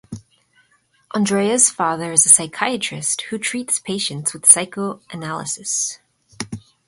Andrea's father is a psychiatrist who treats patients with psychoanalysis.